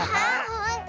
ほんとだ。